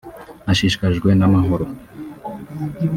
ashishikajwe n’amahoro